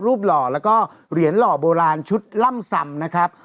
หล่อแล้วก็เหรียญหล่อโบราณชุดล่ำซำนะครับ